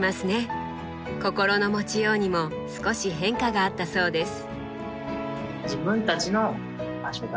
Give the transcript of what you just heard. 心の持ちようにも少し変化があったそうです。